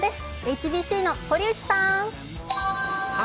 ＨＢＣの堀内さん。